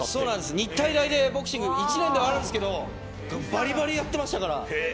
日体大でボクシング、１年ではあるんですけどバリバリやってましたから。